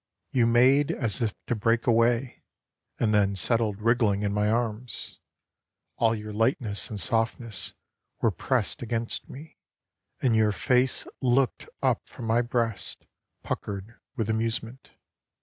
You made as if to break away. And then settled wriggling in my arms, All your lightness and softness were pressed against me, And your face looked up from my breast Puckered with amusement.